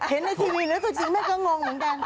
เห็นในทีวีเหมือนกับสุดที่แม่ก็งงเหมือนกัน